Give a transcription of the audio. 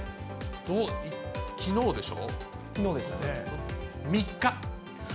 きのうでしょ。